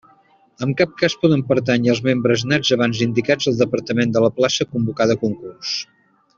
En cap cas poden pertànyer els membres nats abans indicats al departament de la plaça convocada a concurs.